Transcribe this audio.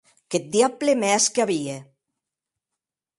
Qu’eth diable me hesque a vier!